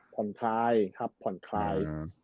ผ่อนคลายครับผ่อนคลาย